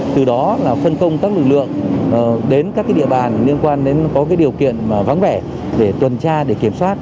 từ đó là phân công các lực lượng đến các địa bàn liên quan đến có điều kiện vắng vẻ để tuần tra để kiểm soát